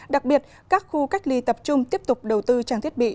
đặc biệt các khu cách ly tập trung tiếp tục đầu tư trang thiết bị